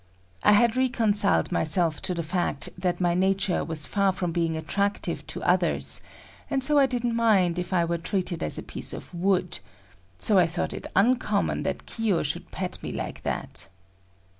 I had long reconciled myself to the fact that my nature was far from being attractive to others, and so didn't mind if I were treated as a piece of wood; so I thought it uncommon that Kiyo should pet me like that.